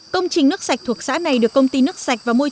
công trình nước sạch thuộc xã này được công ty nước sạch và môi trường